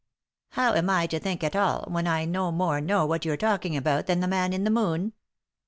" How am I to think at all, when I no more know what you're talking about than the man in the moon